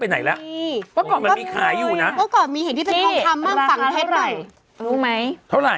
ไปไหนแล้วเมื่อก่อนมันมีขายอยู่น่ะเมื่อก่อนมีเห็นที่เป็นทองคำ